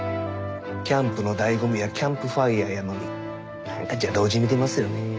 キャンプの醍醐味はキャンプファイアやのになんか邪道じみてますよね。